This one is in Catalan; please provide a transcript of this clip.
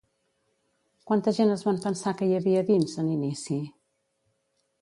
Quanta gent es van pensar que hi havia dins, en inici?